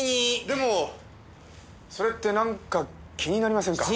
でもそれってなんか気になりませんか？